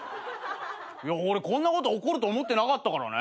いや俺こんなこと起こると思ってなかったからね。